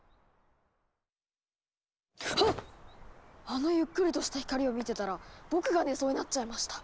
あのゆっくりとした光を見てたら僕が寝そうになっちゃいました。